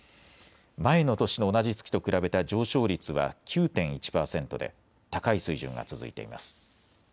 前の年の同じ月と比べた上昇率は９．１％で高い水準が続いています。